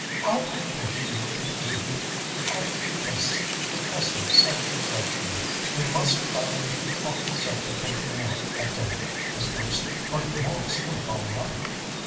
"How I wish he wouldn't do that! The casualty lists depress him so dreadfully. We must try and keep off the subject of the war at dinner, Miss Bruce, or he won't sleep all night."